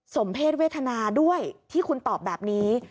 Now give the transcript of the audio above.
สมเพศเวทนาด้วยที่คุณตอบแบบนี้